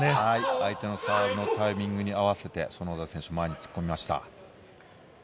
相手のサーブのタイミングに合わせて園田選手が前に突っ込みました。